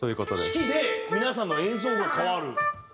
指揮で皆さんの演奏が変わる。